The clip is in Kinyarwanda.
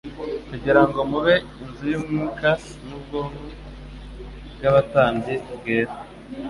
kugira ngo mube inzu y'Umwuka n'ubwoko bw'abatambyi bwera